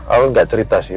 al gak cerita sih